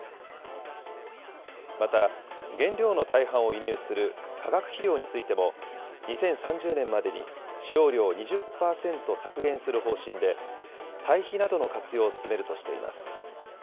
また、原料の大半を輸入する化学肥料についても、２０３０年までに、使用量を２０％削減する方針で、堆肥などの活用を進めるとしています。